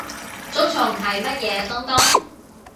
竹蟲係乜嘢東東？